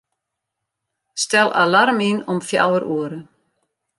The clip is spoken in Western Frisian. Stel alarm yn om fjouwer oere.